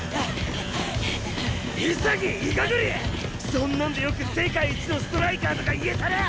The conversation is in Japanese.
そんなんでよく世界一のストライカーとか言えたな！